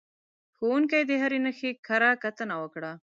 ښوونکي د هرې نښې کره کتنه وکړه.